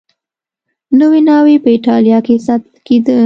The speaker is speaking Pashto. نوې ناوې په اېټالیا کې ساتل کېده.